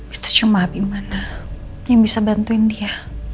itu cuma gimana yang bisa bantuin dia